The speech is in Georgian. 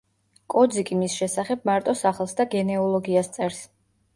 კოძიკი მის შესახებ მარტო სახელს და გენეოლოგიას წერს.